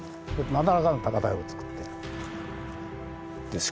なだらかな高台をつくって。